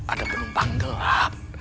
ada penumpang gelap